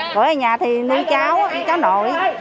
của nhà thì nuôi cháu cháu nội